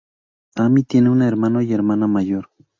Ami tiene un hermano y hermana mayor.